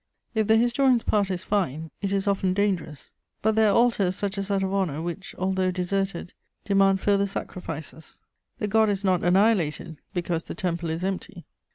If the historian's part is fine, it is often dangerous; but there are altars such as that of honour which, although deserted, demand further sacrifices: the god is not annihilated because the temple is empty.